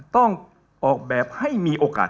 ต้องออกแบบให้มีโอกาส